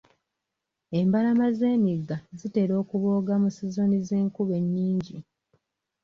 Embalama z'emigga zitera okubooga mu sizoni z'enkuba ennyingi .